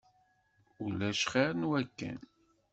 Ulac xir n wakken.